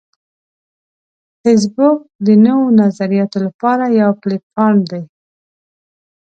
فېسبوک د نوو نظریاتو لپاره یو پلیټ فارم دی